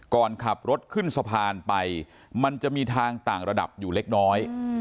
ก่อนขับรถขึ้นสะพานไปมันจะมีทางต่างระดับอยู่เล็กน้อย